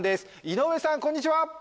井上さんこんにちは！